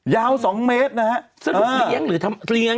ยาว๒เมตรนะฮะ